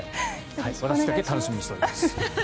私だけ楽しみにしております。